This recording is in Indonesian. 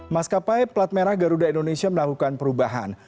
maskapai plat merah garuda indonesia melakukan perubahan